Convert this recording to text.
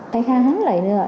cái khá hắn lấy nữa